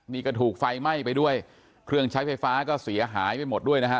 นี่ก็ถูกไฟไหม้ไปด้วยเครื่องใช้ไฟฟ้าก็เสียหายไปหมดด้วยนะฮะ